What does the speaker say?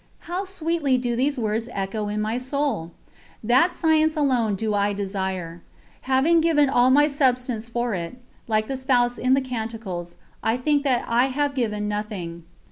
How sweetly do these words echo in my soul! That science alone do I desire. Having given all my substance for it, like the Spouse in the Canticles, "I think that I have given nothing."